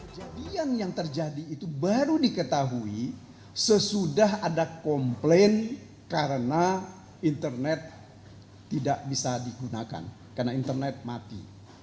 kejadian yang terjadi itu baru diketahui sesudah ada komplain karena internet tidak bisa digunakan karena internet mati